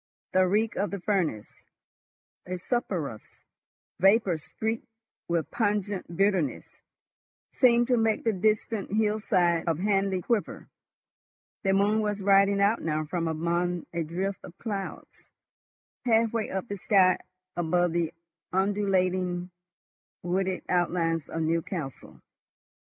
The reek of the furnace, a sulphurous vapor streaked with pungent bitterness, seemed to make the distant hillside of Hanley quiver. The moon was riding out now from among a drift of clouds, halfway up the sky above the undulating wooded outlines of Newcastle.